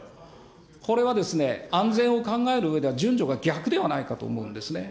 これはですね、安全を考えるうえでは順序が逆ではないかと思うんですね。